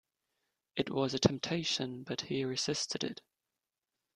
It was a temptation, but he resisted it.